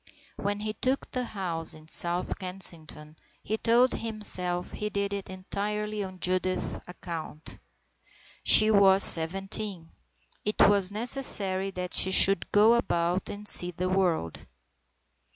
When he took the house in South Kensington he told himself he did it entirely on Judith's account. She was seventeen. It was necessary that she should go about and see the world.